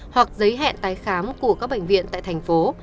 hoặc giấy hẹn tái khám của các bệnh viện tại thành phố